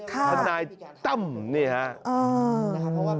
ทนายตั้มนี่ครับ